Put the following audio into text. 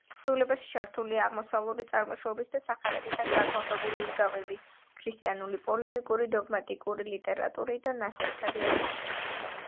თხზულებაში ჩართულია აღმოსავლური წარმოშობის და სახარებიდან გადმოღებული იგავები, ქრისტიანული პოლემიკური დოგმატიკური ლიტერატურიდან ნასესხები ადგილები.